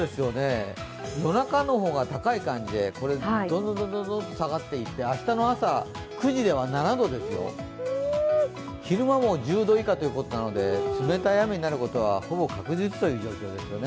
夜中の方が高い感じでどんどん下がっていって明日の朝９時では７度ですよ、昼間も１０度以下ということなので、冷たい雨になることはほぼ確実という状況ですね。